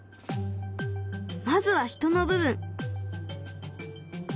まずは人の部分。